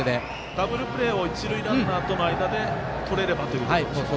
ダブルプレーを一塁ランナーとの間でとれればということですね。